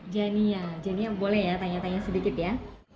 jania jania boleh ya tanya tanya sedikit ya